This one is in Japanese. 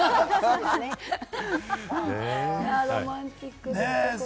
ロマンチック。